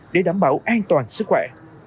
để đảm bảo an toàn sức khỏe